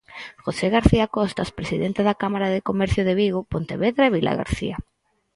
José García Costas, presidente da Cámara de Comercio de Vigo, Pontevedra e Vilagarcía.